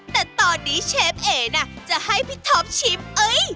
แต่ตอนนี้เชฟเอ๋น่ะจะให้พี่ท็อปชิมเอ้ย